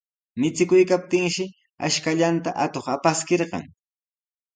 Michikuykaptinshi ashkallanta atuq apaskirqan.